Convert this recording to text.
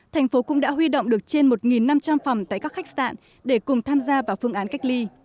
thành phố cũng đã huy động được trên một năm trăm linh phòng tại các khách sạn để cùng tham gia vào phương án cách ly